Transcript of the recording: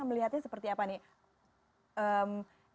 melihatnya seperti apa nih